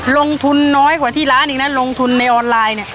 ลงทุนน้อยกว่าที่ร้านอีกนะลงทุนในออนไลน์เนี่ย